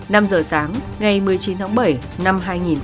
năm h sáng ngày một mươi chín tháng bảy năm hai nghìn một mươi chín